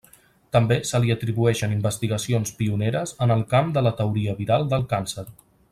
També se li atribueixen investigacions pioneres en el camp de la teoria viral del càncer.